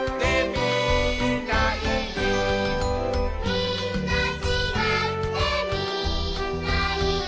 「みんなちがってみんないい」